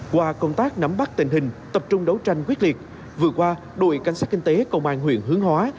qua công tác nắm bắt tình hình tập trung đấu tranh quyết liệt vừa qua đội cảnh sát kinh tế công an huyện hướng hóa